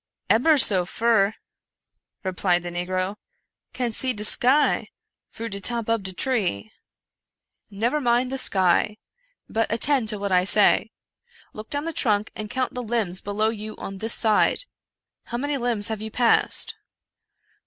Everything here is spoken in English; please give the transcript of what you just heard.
" Ebber so fur," replied the negro ;'* can see de sky fru de top ob de tree." 137 American Mystery Stories " Never mind the sky, but attend to what I say. Look down the trunk and count the Hmbs below you on this side. How many Hmbs have you passed